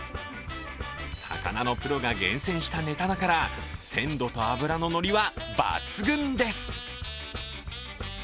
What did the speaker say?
魚のプロが厳選したネタだから鮮度と脂ののりは抜群です。